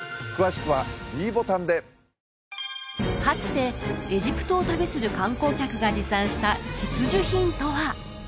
かつてエジプトを旅する観光客が持参した必需品とは？